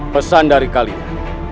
pesan dari kalian